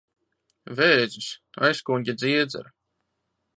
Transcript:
Vēzis. Aizkuņģa dziedzera.